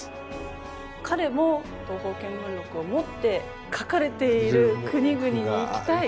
彼も「東方見聞録」を持って書かれている国々に行きたい。